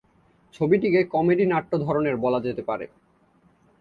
ছবিটিকে কমেডি নাট্য ধরনের বলা যেতে পারে।